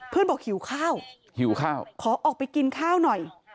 บอกหิวข้าวหิวข้าวขอออกไปกินข้าวหน่อย